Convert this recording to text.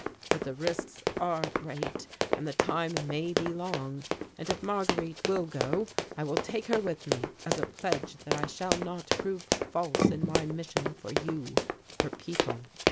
But the risks are great and the time may be long, and if Marguerite will go I will take her with me as a pledge that I shall not prove false in my mission for you, her people."